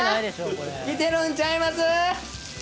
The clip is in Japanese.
いけるんちゃいます？